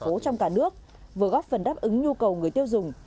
hưng yên là một tỉnh thành phố trong cả nước vừa góp phần đáp ứng nhu cầu người tiêu dùng